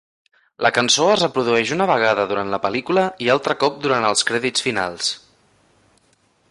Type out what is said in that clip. La cançó es reprodueix una vegada durant la pel·lícula i altre cop durant els crèdits finals.